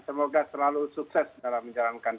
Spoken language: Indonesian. semoga selalu sukses dalam menjalankan